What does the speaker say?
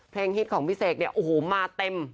เพลงฮิตของพี่เสกมาเต็ม